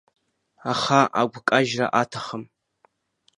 Аха агәкажьра аҭахым.